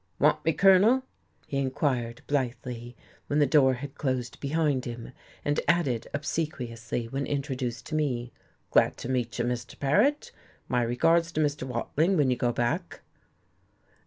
"Want me, Colonel?" he inquired blithely, when the door had closed behind him; and added obsequiously, when introduced to me, "Glad to meet you, Mr. Paret. My regards to Mr. Watling, when you go back.